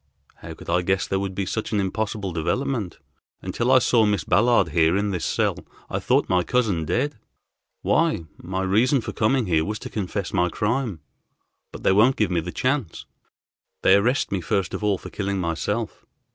"How could I guess there would be such an impossible development? Until I saw Miss Ballard here in this cell I thought my cousin dead. Why, my reason for coming here was to confess my crime, but they won't give me the chance. They arrest me first of all for killing myself.